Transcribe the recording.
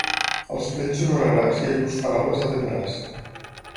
Als vells honoraràs i a llurs paraules atendràs.